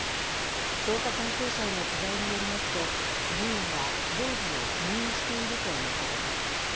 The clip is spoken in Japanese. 捜査関係者への取材によりますと、議員は容疑を否認しているということです。